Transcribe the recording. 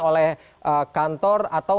oleh kantor atau